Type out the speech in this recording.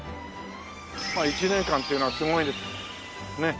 まあ１年間っていうのはすごいねえ。